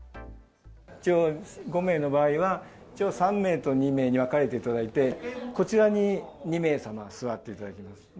５名の場合は、一応３名と２名に分かれていただいて、こちらに２名様、座っていただきます。